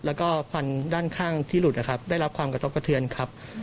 แล้วก็ควันด้านข้างที่หลุดนะครับได้รับความกระทบกระเทือนครับ